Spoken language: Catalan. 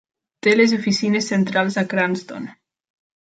Té les oficines centrals a Cranston.